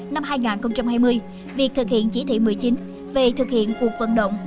năm hai nghìn hai mươi việc thực hiện chỉ thị một mươi chín về thực hiện cuộc vận động